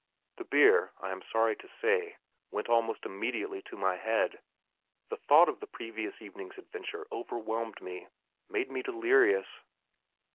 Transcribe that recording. The beer, I am sorry to say, went almost immediately to my head. The thought of the previous evening's adventure overwhelmed me made me delirious.